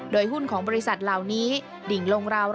โดยหุ้นของบริษัทเหล่านี้ดิ่งลงราว